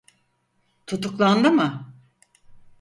Tutuklandı mı?